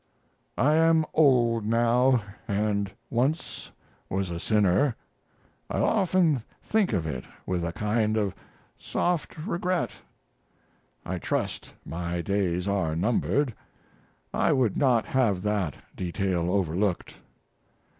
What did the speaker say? I am old now and once was a sinner. I often think of it with a kind of soft regret. I trust my days are numbered. I would not have that detail overlooked.